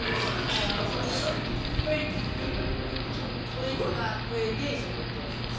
こいつが九絵定食ってやつです